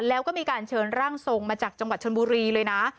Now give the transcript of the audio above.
แล้วก็มีการเชิญร่างทรงมาจากจังหวัดชนบุรีเลยนะ